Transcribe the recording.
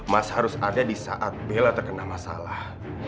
mas harus ada disaat bella terkena masalah